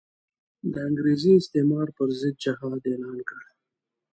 د انګریزي استعمار پر ضد جهاد اعلان کړ.